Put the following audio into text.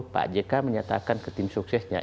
pak jk menyatakan ke tim suksesnya